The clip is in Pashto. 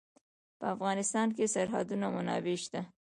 په افغانستان کې د سرحدونه منابع شته.